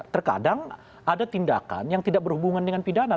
terkadang ada tindakan yang tidak berhubungan dengan pidana